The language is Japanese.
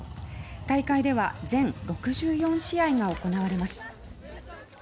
大会では全６４試合が行われます。